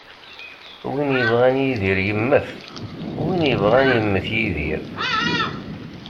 Win yebɣan yidir yemmet, win yebɣan yemmet yidir.